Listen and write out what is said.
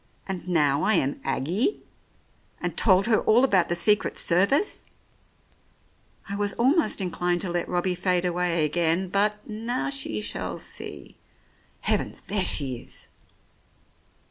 And now I am ' Aggie,' and told her all about the Secret Service ! I was almost inclined to let Robbie fade away again, but now she shall see. Heavens ! There she is